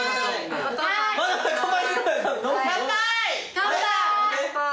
乾杯！